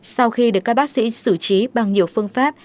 sau khi được các bác sĩ xử trí bằng nhiều phương pháp